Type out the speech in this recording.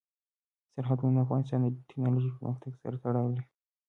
سرحدونه د افغانستان د تکنالوژۍ پرمختګ سره تړاو لري.